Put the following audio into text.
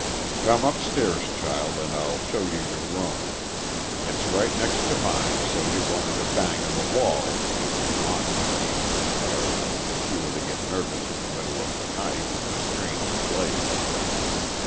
"Come upstairs, child, and I'll show you your room. It's right next to mine, so you've only to bang on the wall if you want I mean er if you were to get nervous in the middle of the night, in a strange place."